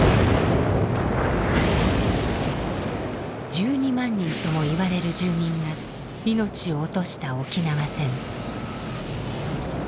１２万人ともいわれる住民が命を落とした沖縄戦。